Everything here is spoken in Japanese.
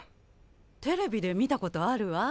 テレビで見たことあるわ。